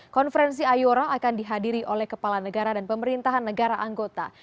konferensi ayora akan dihadiri oleh kepala negara dan pemerintahan negara anggota